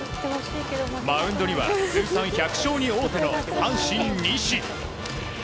マウンドには通算１００勝に王手の阪神、西勇輝。